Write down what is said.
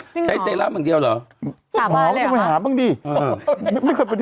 ใช้เซรั่มอย่างเดียวเหรอ